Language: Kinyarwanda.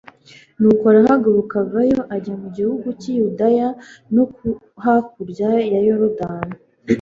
«Nuko arahaguruka avayo, ajya mu gihugu cy'i Yudaya no hakurya ya Yorodani;